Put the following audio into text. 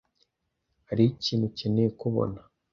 Hariho ikintu ukeneye kubona.